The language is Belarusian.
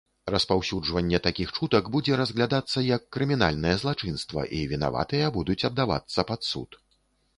Распаўсюджванне такіх чутак будзе разглядацца як крымінальнае злачынства, і вінаватыя будуць аддавацца пад суд.